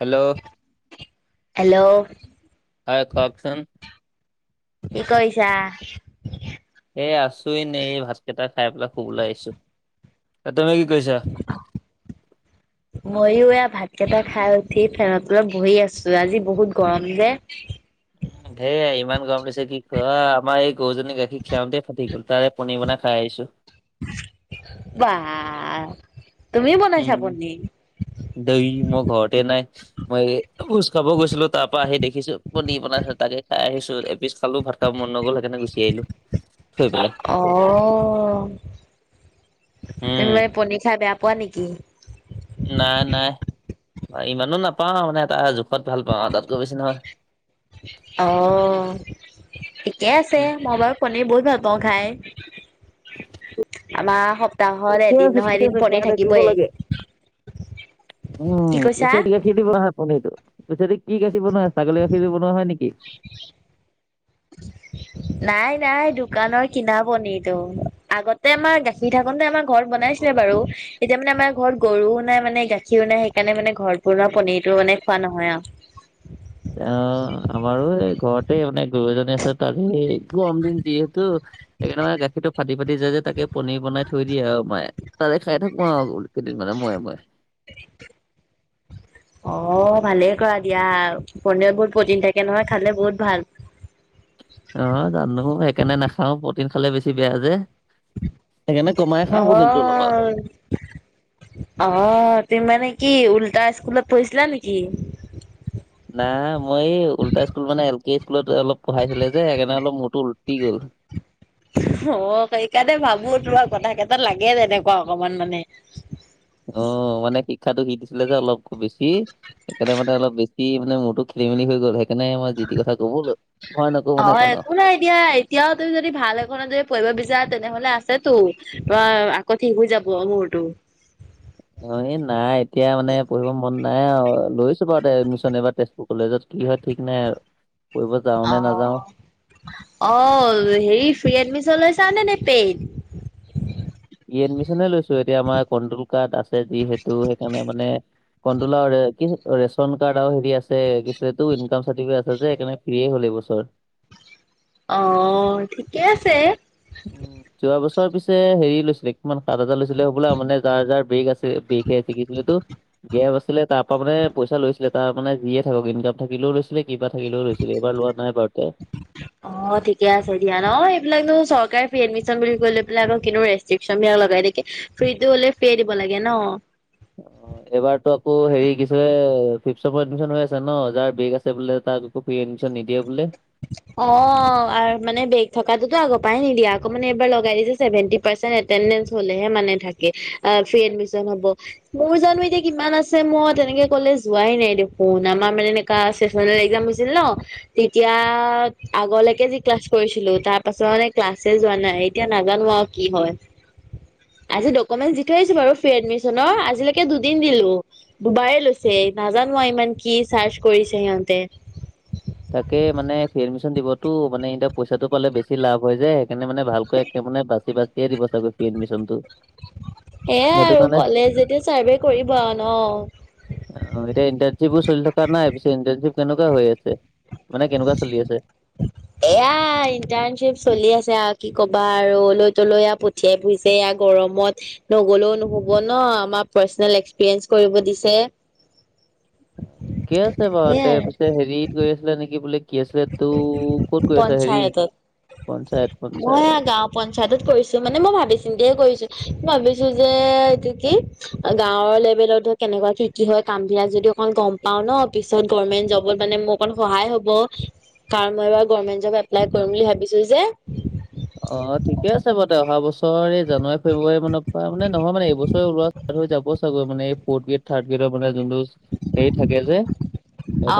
Hello? Hello? হয় কওকচোন? কি কৰিছা? এ আছো এনেই এই ভাত কেইটা খাই পেলাই শুবলে আহিছো। তুমি কি কৈৰিছা? [inaudible] মইও এ ভাত কেইটা খাই উঠি ফেনৰ তলত বহি আছো আজি বহুত গৰম যে। ধেই ইমান গৰম দিছে কি ক'ম আমাৰ এই গৰুজনী গাখীৰ খিৰাওঁতেই ফাটি গ'ল, তাৰে পনীৰ বনাই খাই আহিছোঁ। বাহ, তুমি বনাইছা পনিৰ? ধেই মই ঘৰতে নাই। মই ভোজ খাব গৈছিলো তাৰ পৰা আহি দেখিছো পণীৰ বনাই আছে, তাকে খাই আহিছো এপিছ খালো ভাত ত' মন নগ'ল সেইকাৰণে গুচি আহিলো। থৈ পেলাই অ', তুমি উম মানে পনীৰ খাই বেয়া পোৱা নেকি? নাই নাই। ইমানো নাপাওঁ মানে এটা জোখত ভাল পাওঁ আৰু তাত। অ', ঠিকে আছে উম, মই বাৰু পনীৰ বহুত ভাল পাওঁ খাই। আমাৰ সপ্তাহত ঠিকে এদিন আছে নহয় ঠিকে এদিন আছে পনীৰ খুৱাই থাকিব থাকিবই। লাগে। কি উম কৈছা? পিছে [unintelligible] কি দি বনোৱা হয় পনীৰটো? পিছতে কি গাখীৰ বনোৱা হয়, ছাগলী গাখীৰ দি বনোৱা হয় নেকি? [inaudible] নাই নাই দোকানৰ কিনা পনীৰটো। আগতে আমাৰ গাখীৰ থাকোতে আমাৰ ঘৰত বনাইছিলে বাৰু। এতিয়া মানে আমাৰ ঘৰত গৰুও নাই মানে গাখীও নাই, সেইকাৰণে মানে ঘৰত বনোৱা পনীৰতো মানে খোৱা নহয় আৰু। আহ, আমাৰো এই ঘৰতে মানে গৰু এজনী আছে তাৰেই গৰম দিন যিহেতু সেইকাৰণে মানে গাখীৰটো ফাটি ফাটি যায় যে তাকে পনীৰ বনাই থৈ দিয়ে আৰু মায়ে। তাকে খাই থাকোঁ আৰু কেইদিনমানৰ মোয়ে মোয়ে। অ', ভালেই কৰা দিয়া পনীৰত বহুত প্ৰটিন থাকে নহয়, খালে বহুত ভাল। অ', জানো সেইকাৰণে নাখাওঁ প্ৰটিন খালে বেছি বেয়া যে। সেইকাৰণে ক'মাই খাওঁ প্ৰটিনটো অলপ আৰু। হয়। অ', তুমি মানে কি উল্টা স্কুলত পঢ়িছিলা নেকি? নাই মই এই উল্টা স্কুল মানে এল পি স্কুলত অলপ পঢ়াইছিলে যে সেইকাৰণে অলপ মোৰটো উলটি গ'ল। অ', সেইকাৰণে ভাবো তোৰ কথা কেইটা লাগে তেনেকুৱা অকমান মানে। অ', মানে শিক্ষাটো সি দিছিলে যে অলপ বেছি, সেইকাৰণে মানে অলপ বেছি সি মানে মোৰটো খেলি মেলি হৈ গ'ল, সেইকাৰণে মই যিটি কথা ক'বলৈ ভয় নক‌ওঁ মানে অকনো। এতিয়া এতিয়াও তুমি যদি ভাল এখনত যদি পঢ়িব বিচাৰা তেনেহ'লে আছেতো। তোমাৰ আকৌ ঠিক হৈ যাব মূৰটো। অ', এই নাই এতিয়া মানে পঢ়িব মন নাই আৰু লৈছো বাৰুতে এডমিশন এবাৰ তে তেজপুৰ কলেজত কি হয় ঠিক নাই। পঢ়িব যাওঁ নে নাযাওঁ অ', অ', হেৰি ফ্ৰী এডমিছ লৈচানে নে পেইড? ফ্ৰি এডমিচনে লৈছো এতিয়া আমাৰ কণ্টোল কাৰ্ড আছে যিহেতু সেইকাৰণে মানে কন্টোল আৰু কি ৰেচন কাৰ্ড আৰু হেৰি আছে কি আছিলে এইটো ইনকাম চাৰ্টিফিকেট আছে যে সেইকাৰণে ফ্ৰিয়ে হ'ল এইবছৰ। অ', ঠিকে আছে। উম যোৱা বছৰ পিছে হেৰি লৈছিলে কিমান সাত হাজাৰ লৈছিলে হ'বলা মানে যাৰ যাৰ বেক আছে। এই বেক হে আহিছে, কি আছিলে এইটো, গেপ আছিল। ছিলে তাৰ পৰা মানে পইচা লৈছিলে তাৰ মানে যিয়ে থাকক ইনকাম থাকিলেও লৈছিলে কিবা থাকিলেও লৈছিলে এইবাৰ লোৱা নাই বাৰু তে। [inaudible] অ ঠিকে আছে দিয়া ন, এইবিলাকনো চৰকাৰী ফ্ৰী এডমিশন বুলি কৈ পেলাই আকৌ কিনো ৰেষ্ট চিপচামিয়া লগাই এনেকে ফ্ৰীটো হ'লে ফ্ৰিয়ে দিব লাগে ন। অ। এইবাৰতো আকৌ হেৰি কি আছে ফিফচেমৰ এডমিশন হৈ আছে ন যাৰ বেক আছে বোলে তাৰ, আকৌ ফ্ৰী এডমিন নিদিয়ে বোলে। অ আৰু মানে বেক থকাটোতো আগৰ পৰাই নিদিয়া, আকৌ মানে এইবাৰ লগাই দিছে চেভেনটি পাৰচেন্ট এটেনন্দেচ হলেহে মানে থাকে আ ফ্ৰী এডমিশন হ'ব। মোৰ জানো এতিয়া কিমান আছে মই তেনেকে কলেজ যোৱাই নাই দেখোন আমাৰ মানে এ কা চিক্স চেমিষ্টাৰ একজাম হৈছিল ন তেতিয়া তাৰ আগলৈকে যি ক্লাছ কৰিছিলো, তাৰ পাছত মানে ক্লাছে যোৱা নাই, এতিয়া নাজানো আৰু কি হয়? [inaudible] আজি ডকুমেন্ট দি থৈ আহিছো বাৰু ফ্ৰী এডমিশনৰ আজিলৈকে দুদিন দিলোঁ। দুবাৰেই লৈছে নাজানো আৰু ইমান কি চাৰ্চ কৰিছে সিহঁতে। তাকে মানে ফ্ৰী এডমিশন দিবতো, মানে এতিয়া পইচাটো পালে বেছি লাভ হয় যে সেইকাৰণে মানে ভালকৈ একে মানে বাচি বাচিয়ে দিব চাগৈ ফ্ৰী এডমিশনটো। এয়াই সেইটো আৰু কাৰণে কলেজ যেতিয়া চাৰ্ভে কৰিব আৰু ন। অ এতিয়া ইন্টাৰ্ণশ্বিপ বোৰ চলি থকা নাই, পিছে ইন্টাৰ্ণশ্বিপ কেনেকুৱা হৈ আছে মানে কেনেকুৱা চলি আছে? এয়া ইন্টাৰ্ণশ্বিপ চলি আছে আৰু কি কবা আৰু অলৈ তলৈ এয়া পঠ সে পুৰিছে এয়া গৰমত নগলেও নহ'ব ন, আমাৰ পাৰ্চনেল এক্সপিৰিয়েঞ্চ কৰিব দিছে। ঠিকে আছে বাৰু সেয়াই তে, পিছে হেৰিত গৈ আছিলে নেকি বোলে। কি আছিল এতো ক'ত কৰি আছা হেৰি, পঞ্চায়তত পঞ্চায়ত মই পঞ্চায়ত। গাঁও পঞ্চায়তত কৰিছো মানে মই ভাবি চিন্তিয়ে কৰিছো, ভাবিছো যে এইটো কি। গাঁৱৰ লেভেলতো কেনেকুৱা কি কি হয় কাম বিলাক যদি অকন গম পাও ন পিছত গৰ্মেন্ট জবত মানে মোৰ অকন সহায় হ'ব। কাৰণ মই এইবাৰ গৰ্মেণ্ট জব এপ্লাই কৰিম বুলি ভাবিছো যে। অ ঠিকে আছে বাৰু তে অহা বছৰ এই জানুৱাৰী ফেব্ৰুৱাৰী মানৰ পৰা, মানে নহয় মানে এইবছৰে ওলোৱা হৈ যাব চাগৈ মানে এই ফৰ্থ গ্ৰেড থাৰ্ড গেডৰ মানে যোনটো, হেৰী থাকে যে,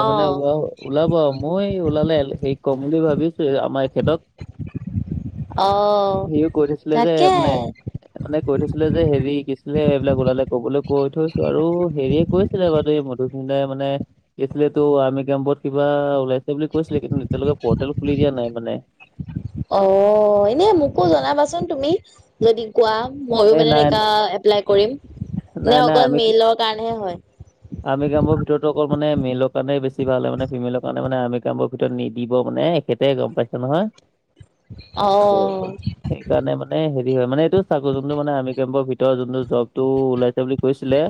অ মানে ওলাব। ওলাব মই ওলালে হেৰিক কম বুলি ভাবিছোৱেই, আমাৰ এখেতক। অ। সিও কৈ থৈছিলে যে তাকে মানে মানে কৈ থৈছিলে যে হেৰি কি আছিলে এইবিলাক ওলালে কবলৈ কৈ থৈছো আৰু হেৰিয়ে কৈছে ছিলে বাৰু এই মধুস্মিতাই মানে কি আছিলে এতো আৰ্মি কেম্পত কিবা ওলাই ছিলেবুলি কৈছিলে কিন্তু এতিয়়লৈকে পৰ্টেল খুলি দিয়া নাই মানে। অ এনে মোকো জনাবাচোন তুমি যদি, কোৱা মইয়ো এ মানে নাই এনেকা এপ্লাই কৰিম, নে নাই অকল মেইলৰ কাৰণেহে হয়? আৰ্মী কেম্পৰ ভিতৰতো অকল মানে মেলৰ কাৰণে বেছি ভাল হয় মানে ফিমেলৰ কাৰণে মানে আৰ্মী কেম্পৰ ভিতৰত নিদিব মানে তেতিয়াই গম পাইছে নহয়, সেইটো অ', সেইকাৰণে মানে হেৰি হয় মানে এইটো, থাকো যোনটো মানে আৰ্মী কেম্পৰ ভিতৰত যোনটো জবটো ওলাইছে বুলি কৈছিলে,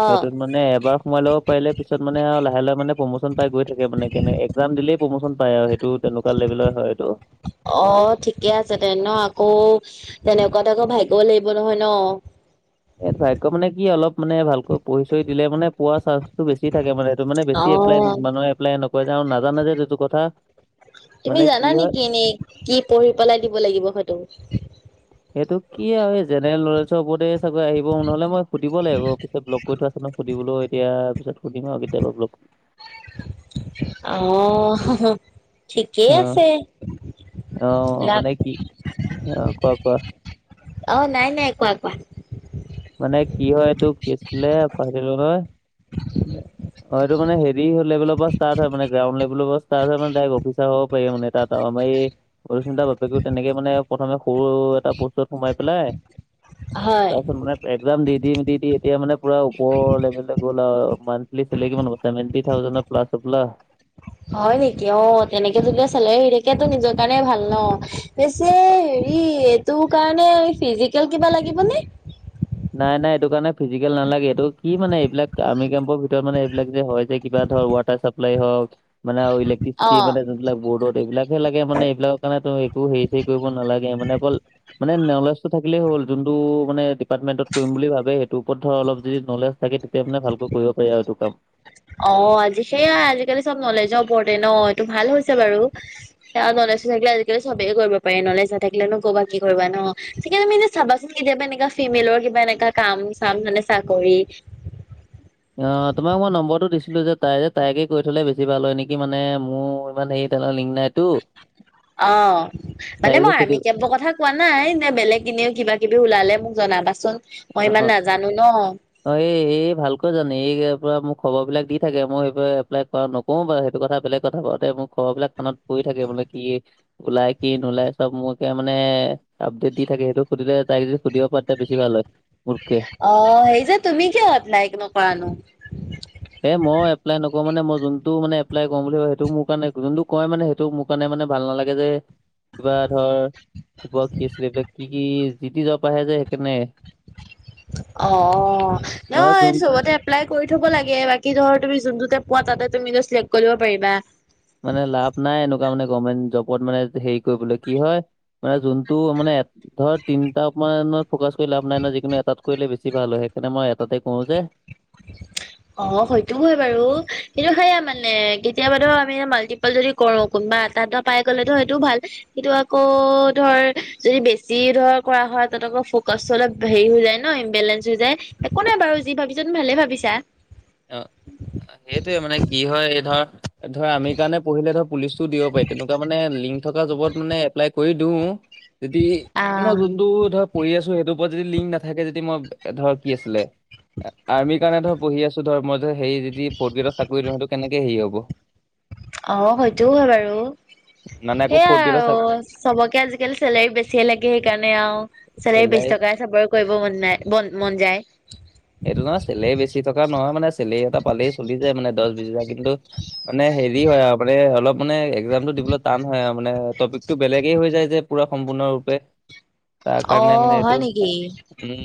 অ', সেইটোত মানে এবাৰ সোমাই ল'ব পাৰিলে পিছত মানে লাহ লাহে মানে প্ৰমোচন পাই গৈ থাকে মানে কেনে এক- একজাম দিলেই প্ৰমোচন পায় আৰু সেইটো তেনেকুৱা লেভেলৰ হয় এইটো। অ ঠিকে আছে তে ন আকৌ তেনেকুৱাত আকৌ ভাগ্যও লাগিব নহয় ন! এ ভাগ্য মানে কি অলপ মানে ভালকৈ পঢ়ি চহি দিলে মানে পোৱা চাঞ্চ টো বেছি থাকে মানে সেইটো মানে বেছি এপ্লাই অ'। মানুহে এপ্লাই নকৰে যে আৰু নাজানে যে যিটো কথা। তুমি মানে জানা কি হয় নেকি এনেই কি পঢ়ি পেলাই দিব লাগিব সেইটো? এইটো কি আৰু এই জেনেৰেল নলেজৰ ওপৰতে [inaudible] আহিবও নহলে মই শুধিব লাগিব পিছে ব্লক কৰি থোৱা আছে নহয় শুধিবলেও এতিয়াৰ পিছত সুধিম আৰু কেতিয়াবা ব্লক [inaudible] ঠিকেই অঁ, আছে অঁ এইবিলাক মানে কি? অঁ কোৱা কোৱা। অঁ নাই নাই কোৱা কোৱা। মানে কি হয় তোক কি আছিলে [inaudible] থাকিলোঁ নহয়। অঁ এইটো মানে হেৰী লেভৰ পৰা ষ্টাৰ্ট হয় মানে গ্ৰাউণ্ড লেভেলৰ পৰা ষ্টাৰ্ট হয় মানে ডাইৰেক্ট [inaudible] [inaudible] অলুস্মিতা বাপেকেও তেনেকে মানে প্ৰথমে সৰু এটা বস্তুত সোমাই পেলাই হয়। তাৰপিছত মানে একজাম দি দি দি দি এতিয়া মানে পোৰা ওপৰ লেভেললে গ'ল আৰু মান্থলি চেলেৰি কিমান হ'ব ছেভেনটি থাউজেণ্ডত প্লাছ হবলা। হয় নেকি অঁ তেনেকে। [inaudible] সালাৰী আহি থাকে তেতিয়া নিজৰ কাৰণে ভাল ন পেছে হেৰি এইটোৰ কাৰণে ফিজিকেল কিবা লাগিব নে? নাই নাই এইটো কাৰণে ফিজিকেল নালাগে এইটো কি মানে এইবিলাক আৰ্মি কেম্পৰ ভিতৰত মানে এইবিলাক যে হয় যে কিবা ধৰ [inaudible] [inaudible] চাপলাই হওঁক মানে আৰু অ ইলেক্ট্ৰিচিটি মানে এইবিলাক বৰ্ডত এইবিলাকহে লাগে মানে এইবিলাকৰ কাৰণে তো একো হেৰি চেৰি কৰিব নালাগে মানে অকল মানে নলেজটো থাকিলেই হ'ল যোনটো মানে ইপাৰ্টমেণ্ট কৰিম বুলি ভাবে সেইটো ওপৰত ধৰ অলপ যদি নলেজ থাকে তেতিয়া মানে ভালকে কৰিব পাৰি আৰু এইটো কাম। অঁ আজি সেইয়াই আজিকালি চব নলেজৰ ওপৰতে ন এইটো ভাল হৈছে বাৰু নলেজটো থাকিলে আজিকালি চবে কৰিব পাৰি নলেজ নাথাকিলে নো ক'পা কি কৰিবা ন! [inaudible] তুমি আনে চাবাচোন কেতিয়াবা এনেকুৱাও ফিমেলৰ কিবা এনেকা কাম চাম মানে চাকৰি অঁ তোমাক মই নম্বৰটো দিছিলো যে তাই যে তাইকে কৈ থ'লে বেছি ভাল হয় নেকি মানে মোৰ ইমান হেৰিত এটা লিং নাই অঁ, তাই মানে যে মই সুধি আৰ্মী কেম্পৰ কথা কোৱা নাই নে বেলেগ এনেও কিবা কিবি ওলালে মোক জনাবাচোন মই ইমান নাজানো ন! অঁ এই এই ভালকৈ জানে এই [inaudible] পৰা মোক খবৰ বিলাক দি থাকে মই [inaudible] এপ্লাই কৰা ন কওঁ বাৰু সেইটো কথা বেলেগ কথা বাৰু তাই মোক খবৰ বিলক বিলাক [inaudible] পৰি থাকে [inaudible] কি ওলাই কি নোলাই চব মোকে মানে আপডেট দি থাকে সেইটো সুধিলে তাই যদি সুধিব পা বেছি ভাল হয় [inaudible] অঁ সেই যে তুমি কিয় এপ্লাই নকৰানো? এ মই এপ্লাই নকৰো মানে মই যোনটো মান এপ্লাই কৰিম বুলি ভাবো সেইটো মোৰ কাৰণে যোনটো কয় মানে সেইটো মোক মানে মানে ভাল নালাগে যে কিবা ধৰ [inaudible] কি আছিলে এইবিলাক কি কি যিটি জব আহে যে সেইকাৰণে। অঁ নহ'লে নহয় যোন চবতে এপ্লাই কৰি থব লাগে বাকী ধৰ তুমি যোনটোতে পোৱা তাতে তুমি চিলেক্ট কৰিব দিব পাৰিবা। মানে লাভ নাই এনেকুৱা মানে গভমেণ্ট জবত মানে হেৰি কৰিবলৈ কি হয় মানে যোনটো মানে ধৰ তিনতামানত ফকাচ কৰি লাভ নাই ন যিকোনো এটাত কৰিলে বেছ ভাল হয় সেইকাৰণে মই এটাতে কওঁ যে [unintelligible] অঁ সেইটোও হয় বাৰু কিন্তু সেয়া মানে কেতিয়াবাতো আমি মাল্টি পাল যদি কৰো কোনোবা এটা এটা পাই গ'লেতো সেইটো ভাল। সেইটো আকৌ ধৰ যদি বেছি ধৰ কৰা হয় তাত আকৌ ফকাচটো অলপ হেৰি হৈ যায় ন ইম্বেলেঞ্চ হৈ যায় একো নাই বাৰু যি ভাবিছা তুমি ভালে ভাবিছা। অঁ, সেইটোৱে মানে কি হয় এই ধৰ ধৰ আৰ্মিৰ কাৰণে পঢ়িলে ধৰ পুলিচটো দিব পাৰি, তেনেকুৱা মানে লিংক থকা জবত মানে এপলাই কৰি দিও, যদি মই আহ যোনটো ধৰ পঢ়ি আছো সেইটোৰ ওপৰত যদি লিংক নাথাকে যদি মই ধৰ কি আছিলে আৰ্মিৰ কাৰণে ধৰ পঢ়ি আছো ত ধৰ মইটো হে যদি ফৰ্থ গ্ৰেডত চাকৰি লওঁ সেইটো কেনেকে হেৰি হ'ব? অ সেইটো হয় বাৰু। মানে আকৌ সেইয়াই ফ'ৰ্থ গ্ৰেডৰ আৰু চবকে আজিকালি চেলেৰি বেছিয়ে লাগে সেইকাৰণে আৰু চলেৰি চেলাই বেছি থকা চাকৰি কৰিব মন নাই মন যায়। এইটো নহয় চেলেৰি বেছি থকা নহয় মানে চেলেৰী এটা পালেই চলি যায় মানে দহ বিশ হাজাৰ কিন্তু মানে হেৰি হয় আৰু মানে অলপ মানে একজামটো দিবলৈ টান হয় আৰু মানে টপিক টো বেলেগে হৈ যায় যে পুৰা সম্পূৰ্ণৰূপে। তাৰ অ কাৰণে মানে হয় এইটো নেকি উম।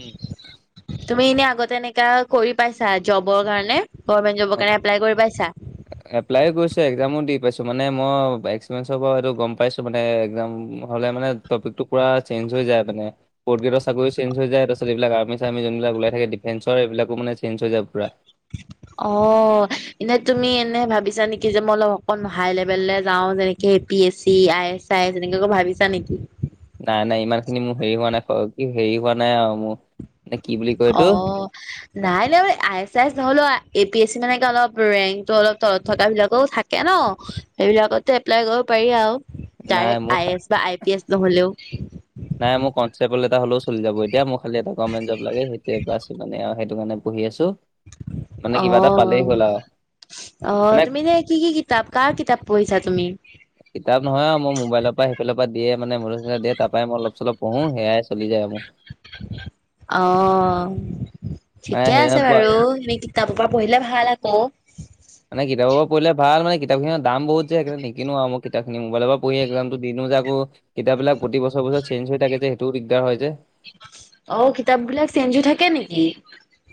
তুমি এনে আগতে এনেকা কৰি পাইছা জবৰ কাৰণে গভমেন্ট জবৰ কাৰণে এপ্লাই কৰি পাইছা? [unintelligible] এপ্লাই কৰিছোঁ এক্সজামো দি পাইছোঁ মানে মই এক্সপিৰিয়েঞ্চৰ পৰা এইটো গম পাইছোঁ মানে এক্সাম হ'লে মানে টপিকটো পুৰা চেঞ্জ হৈ যায় মানে। ফৰ্থ গ্ৰেডৰ চাকৰি চেঞ্জ হৈ যায় তাৰপিছত এইবিলাক আৰ্মি চাৰ্মী যোনবিলাক ওলাই থাকে ডিফেঞ্চৰ এইবিলাকো মানে চেঞ্জ হৈ যায় পোৰা। [unintelligible] অ এনেই তুমি এনে ভাবিছা নেকি যে মই অলপ অকন হাই লেভেললে যাও যেনে A P S C, I S C S এনেকুৱাকো ভাবিছা নেকি? নাই নাই ইমানখিনি মোৰ হেৰি হোৱা নাই কি হেৰি হোৱা নাই আও মোৰ। নে কি বুলি কয় এইটো অ। নাই [unintelligible] আই এছ চাই এছ নহ'লেও এ পি এছ চি মানে অলপ ৰেংকটো অলপ তলত থকা বিলাকেও থাক কেন সেইবিলাকতো এপ্লাই কৰিব পাৰি আও। নাই ডাইৰেক্ট মোৰ আই এ এছ বা আই পি এছ নহ'লেও। নাই মোৰ কনষ্টেবল এটা হ'লেও চলি যাব এতিয়া মোৰ খালি এটা গৰ্মেণ্ট জব লাগে সেইটোৱে বছ ইমানে আৰু। সেইটো কাৰণে পঢ়ি আছো। মানে অ কিবা এটা পালেই হ'ল আৰু অ মানে তুমি যে কি কি কিতাপ কাৰ কিতাপ পঢ়িছা তুমি? কিতাপ নহয় আৰু মই মোবাইলৰ পৰা সেইফালৰ পৰা দিয়ে মানে মোবাইলে ছবাইলে তাৰ পৰাই মই অলপ চলপ পঢ়ো সেয়াই চলি যায় আৰু মোৰ। অ মানে ঠিকে আছে সেইদিনা পোৱা বাৰু কিতাপৰ পৰা পঢ়িলে ভাল আকৌ। মানে কিতাপৰপৰা পঢ়িলে ভাল মানে কিতাপখিনিৰ দাম বহুত যে সেইকাৰণে নিকিনো আৰু মই মোবাইলৰ পৰা পঢ়ি একজামটো দি দিওঁ যে আকৌ কিতাপবিলাক প্ৰতি বছৰে বছৰে চেঞ্জ হৈ থাকে যে সেইটোও দিগদাৰ হয় যে। অ কিতাপবিলাক চেঞ্জ হৈ থাকে নেকি?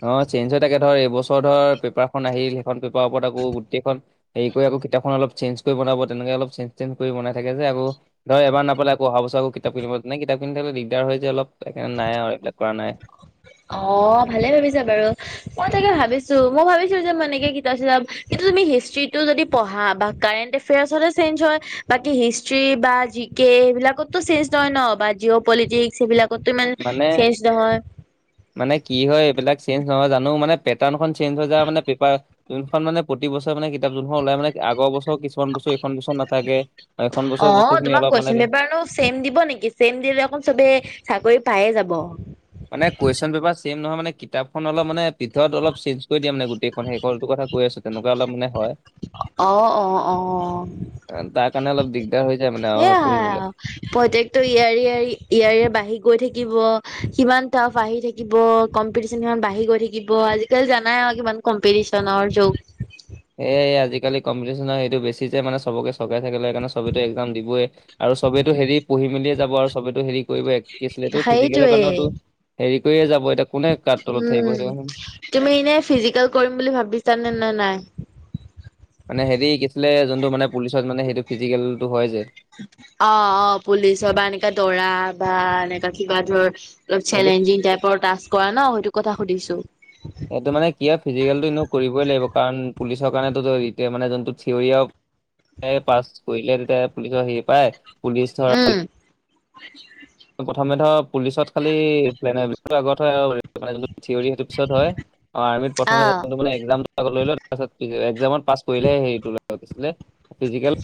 অ চেঞ্জ হৈ থাকে ধৰ এইবছৰ ধৰ পেপাৰখন আহিল সেইখন পেপাৰৰ ওপৰত আকৌ গোটেইখন হেৰি কৰি আক কিতাপখন অলপ চেঞ্জ কৰি বনাব তেনেকে অলপ চেঞ্জ তেঞ্জ কৰি বনাই থাকে যে আকৌ। ধৰ এবাৰ নাপালে আকৌ আহাঁ বছৰ আকৌ কিতাপ কিনিব নাই কিতাপ কিনি থাকিব দিগদাৰ হয় যে অলপ সেইকাৰনে নাই আৰু এইবিলাক কৰা নাই। অ ভালে ভাবিছা বাৰু মই তাকে ভাবিছো মই ভাবিছো যে মই এনেকে কিতাপ চিতাপ কিন্তু তুমি হিষ্ট্ৰিটো যদি পঢ়া বা কাৰেণ্ট এফেয়াৰ্চতে চেঞ্জ হয়। বাকী হিষ্ট্ৰি বা জি কে এইবিলাকতো চেঞ্জ নহয় ন বা জিঅ' পলিটিক্স এইবিলাক। ক'তো ইমান মানে চেঞ্জ নহয়। মানে কি হয় এইবিলাক চেঞ্জ নহয় জানো মানে পেটাৰ্নখন চেঞ্জ হৈ যাই মানে পেপাৰ যোনখন মানে প্ৰতি বছৰে মানে কিতাপ যোন খন ওলাই মানে আগৰ বছৰ কিছুমান বছৰ এখন বছৰ নাথাকে, এখন বছৰ বস্তুখিনি অলপ মানে চেম দিব নেকি, চেম দিলে আকৌ চবে চাকৰি পায়ে যাব। মানে কুৱেশচন পেপাৰ চেঞ্জ নহয় মানে কিতাপখন অলপ মানে ভিতৰত অলপ চ কৈ দিয়া মানে গোটেইখন সেইকলটো কথা কৈ আছো তেনেকুৱা অলপ মানে হয় অ-অ-অ-অ তাৰ কাৰণে অলপ দিগদ দিকদাৰ হৈ যায় মানে। আৰু সেইয়াই পঢ়িবলৈ। আও। প্ৰত্যেকটো ইয়াৰে ইয়াৰে ইয়াৰে বাঢ়ি গৈ থাকিব সিমান টাফ আহি থাকিব থাকিব কম্পিটিচন ইমান বাঢ়ি গৈ থাকিব আজিকালি জানাই আৰু কিমান কম্পিটিচনৰ যুগ। এ আজিকালি কম্পিটিশ্যনৰ সেইটো বেছি যে মানে চবকে চৰকাৰি চাকৰি লাগে সেইকাৰণে সবেটো এক্সাম দিবই। আৰু চবেইটো হেৰি পঢ়ি মেলিয়ে যাব আৰু সবেতো হেৰি কৰিবটো কি আছিলে এইটো ফিজিকেলৰ সেইটোৱে কাৰণেওটো হেৰি কৰিয়ে যাব এতিয়া কোনে কাৰ তলত থাকিব উম সেইটো কচোন। তুমি এনেই ফিজিকেল কৰিম বুলি ভাবিছানে নে নাই? মানে হেৰি কি আছিলে যোনটো মানে পুলিচত মানে সেইটো ফিজিকেলটো হয় যে অ অ, পুলিচৰ বা এনেকা দৌৰা বা এনেকা কিবা ধৰ অলপ সেইটো চেলেঞ্জিং টাইপৰ টাস্ক কৰা ন সেইটো কথা সুধিছোঁ। সেইটো মানে কিয় ফিজিকেলটো এনেও কৰিবই লাগিব কাৰণ পুলিচৰ কাৰণেতো এতিয়া মানে যোনটো থিয়ৰী অ হে পাছ কৰিলে তেতিয়া পুলিচৰ হেৰি পায় পুলিচৰ উম [unintelligible] প্ৰথমে ধৰ পুলিচত খালি এপ্লাই আগত হয় আ মানে যোনটো থিয়ৰী সেইটো পিছত হয় আৰ্মিত প্ৰথমে অ যোনটো মানে একজাম আগত লৈ‌ লয় তাৰ পিছত একজামত পাছ কৰিলে হেৰিটো লয় কি আছিলে ফিজিকেল